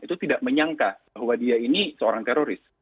itu tidak menyangka bahwa dia ini seorang teroris